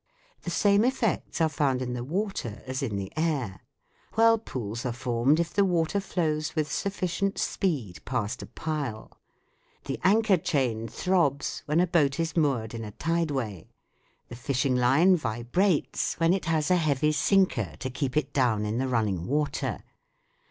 The same effects are found in the water as in the air. Whirlpools are formed if the water flows with sufficient speed past a pile. The anchor chain throbs when a boat is moored in a tide way ; the fishing line vibrates when it has a heavy sinker to keep it down in the running water.